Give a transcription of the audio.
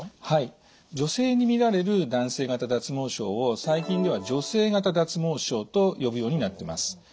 女性にみられる男性型脱毛症を最近では女性型脱毛症と呼ぶようになってます。